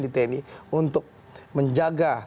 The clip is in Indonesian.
di tni untuk menjaga